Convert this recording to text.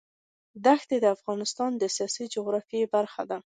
دښتې د افغانستان د سیاسي جغرافیه برخه ده.